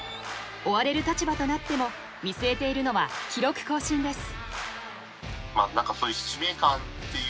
追われる立場となっても見据えているのは記録更新です。